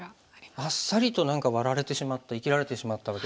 あっさりと何かワラれてしまった生きられてしまったわけですね。